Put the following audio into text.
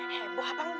heboh apa engga